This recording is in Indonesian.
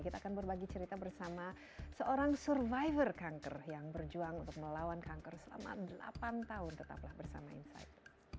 kita akan berbagi cerita bersama seorang survivor kanker yang berjuang untuk melawan kanker selama delapan tahun tetaplah bersama insight